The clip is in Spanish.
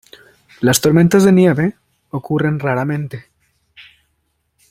Las tormentas de nieve ocurren raramente.